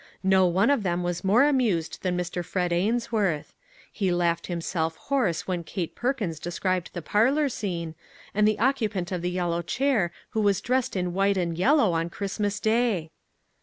No one of them was more amused than Mr. Fred Ains worth; he laughed himself hoarse when Kate Perkins described the parlor scene, and the oc cupant of the yellow chair who was dressed in white and yellow on Christmas Day!